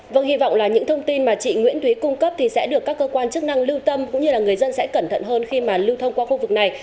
vâng hy vọng là những thông tin mà chị nguyễn thúy cung cấp thì sẽ được các cơ quan chức năng lưu tâm cũng như là người dân sẽ cẩn thận hơn khi mà lưu thông qua khu vực này